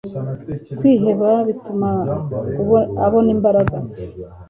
kwiheba bituma abona imbaraga